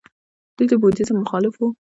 دوی د بودیزم مخالف وو